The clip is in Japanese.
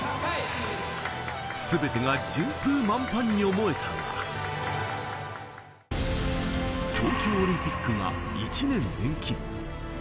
全てが順風満帆に思えたが、東京オリンピックが１年延期。